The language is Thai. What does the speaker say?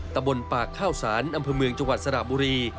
ตะบนปากข้าวสารอำเภอเมืองจังหวัดสระบุรี